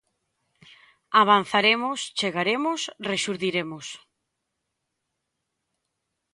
Avanzaremos, chegaremos, rexurdiremos.